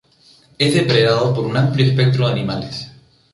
Es depredado por un amplio espectro de animales.